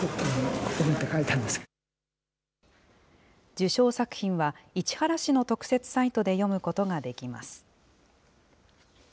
受賞作品は、市原市の特設サイトで読むことができます。